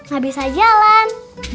gak bisa jalan